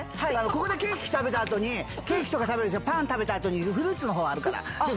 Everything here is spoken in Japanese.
ここでケーキ食べたあとに、ケーキとか食べるでしょ、パン食べたあとに、フルーツのほうあるから。